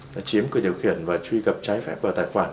đã chiếm quyền điều khiển và truy cập trái phép vào tài khoản